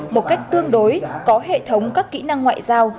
một cách tương đối có hệ thống các kỹ năng ngoại giao